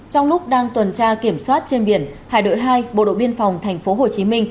trong lúc đang tuần tra kiểm soát trên biển hải đội hai bộ đội biên phòng tp hcm